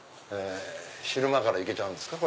昼間から行けちゃうんですか？